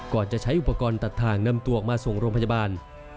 จะใช้อุปกรณ์ตัดทางนำตัวออกมาส่งโรงพยาบาล